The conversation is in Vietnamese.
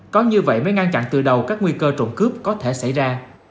có như vậy mới ngăn chặn từ đầu các nguy cơ trộm cướp có thể xảy ra